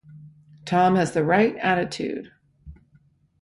Tom has the right attitude.